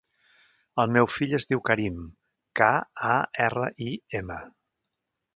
El meu fill es diu Karim: ca, a, erra, i, ema.